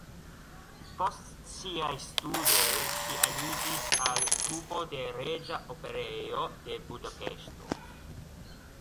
Post siaj studoj ŝi aliĝis al trupo de Reĝa Operejo de Budapeŝto.